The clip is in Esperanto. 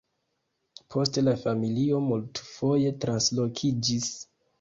Poste la familio multfoje translokiĝis.